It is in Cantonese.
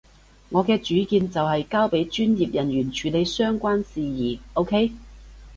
我嘅主見就係交畀專業人員處理相關事宜，OK？